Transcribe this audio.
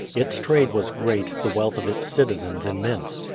Its trade was great, the wealth of its citizens immense.